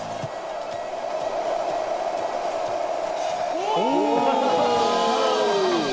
お！